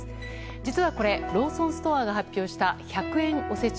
実はこれローソンストアが発表した１００円おせち。